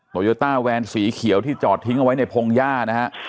โยต้าแวนสีเขียวที่จอดทิ้งเอาไว้ในพงหญ้านะฮะ